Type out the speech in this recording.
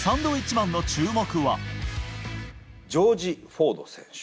ジョージ・フォード選手。